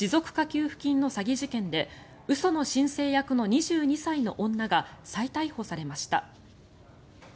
給付金の詐欺事件で嘘の申請役の２２歳の女が再逮捕されました。